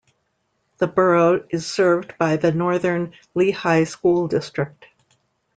The Borough is served by the Northern Lehigh School District.